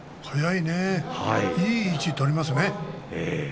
いい位置取りますよね。